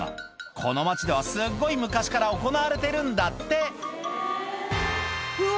この町ではすっごい昔から行われてるんだってうわ！